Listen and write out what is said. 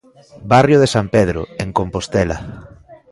Barrio de San Pedro, en Compostela.